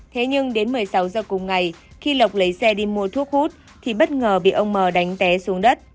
thế nhưng đến một mươi sáu giờ cùng ngày khi lộc lấy xe đi mua thuốc hút thì bất ngờ bị ông mờ đánh té xuống đất